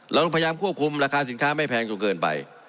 เราต้องพยายามควบคุมราคาสินค้าไม่แพงจนเกินไป